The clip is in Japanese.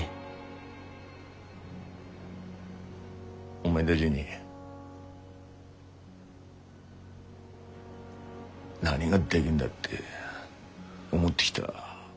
お前だぢに何がでぎんだって思ってきだ